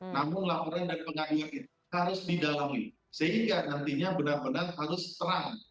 namun laporan dan pengaduan itu harus didalami sehingga nantinya benar benar harus terang